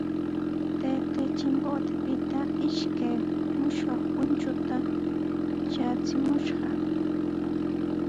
Taytaa Chimbotepita ishkay mushuq punchuta traachimushqa.